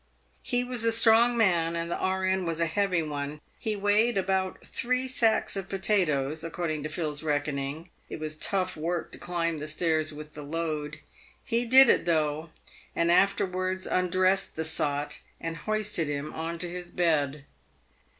He was a strong man, and the E.N. was a heavy one. He weighed about three sacks of potatoes, according to Phil's reckoning. It was tough work to climb the stairs with the load. He did it though, and afterwards undressed the sot, and hoisted him on to his bed.